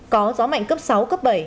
có gió mạnh cấp sáu cấp bảy